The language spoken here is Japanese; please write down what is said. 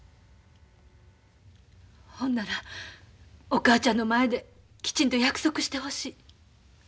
ほんならお母ちゃんの前できちんと約束してほしい。